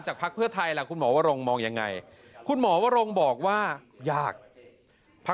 แล้วคุณไปใช้อันนั้นที่เผยดี